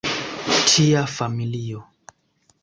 Tia familio.